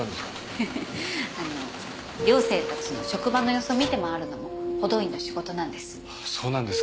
フフフあの寮生たちの職場の様子を見て回るのも補導員の仕事なんです。